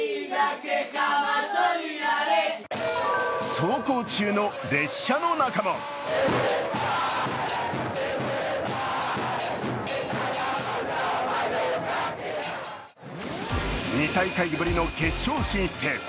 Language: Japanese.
走行中の列車の中も２大会ぶりの決勝進出。